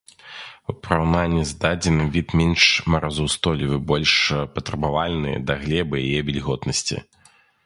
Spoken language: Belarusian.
У параўнанні з дадзены від менш марозаўстойлівы, больш патрабавальны да глебы і яе вільготнасці.